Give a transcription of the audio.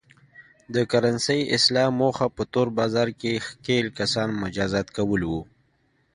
د کرنسۍ اصلاح موخه په تور بازار کې ښکېل کسان مجازات کول و.